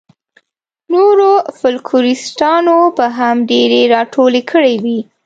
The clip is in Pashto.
نورو فوکلوریسټانو به هم ډېرې راټولې کړې وي.